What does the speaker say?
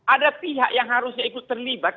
ada pihak yang harusnya ikut terlibat